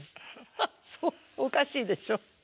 ハッそうおかしいでしょ？